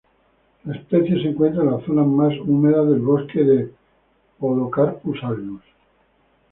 La especie se encuentra en las zonas más húmedas del bosque de "Podocarpus-Alnus".